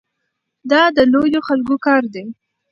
دا د لویو خلکو کار دی.